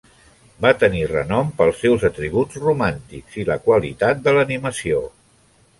Va tenir renom pel seus atributs romàntics i la qualitat de l'animació.